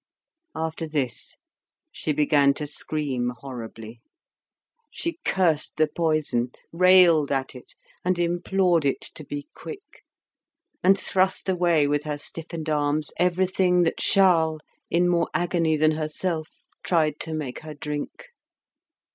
After this she began to scream horribly. She cursed the poison, railed at it, and implored it to be quick, and thrust away with her stiffened arms everything that Charles, in more agony than herself, tried to make her drink.